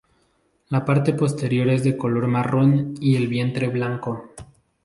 La parte posterior es de color marrón y el vientre blanco.